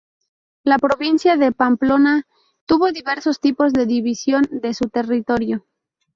La provincia de Pamplona tuvo diversos tipos de división de su territorio.